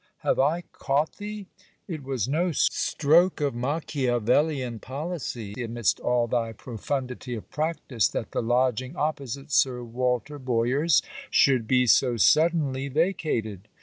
have I caught thee? It was no stroke of Machiavelian policy amidst all thy profundity of practice, that the lodging opposite Sir Walter Boyer's should be so suddenly vacated.